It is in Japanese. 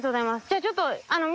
じゃあちょっと。